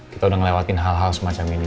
kita udah ngelewatin hal hal semacam ini